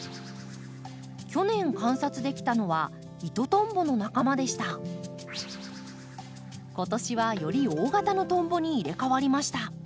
去年観察できたのは今年はより大型のトンボに入れ代わりました。